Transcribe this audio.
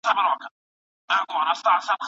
نور غوږونه غواړي.